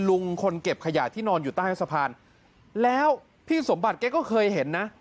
ลงคนเก็บขยะที่นอนอยู่ใต้ตะหศพานพี่สมบัติเก็บเคยเห็นนะ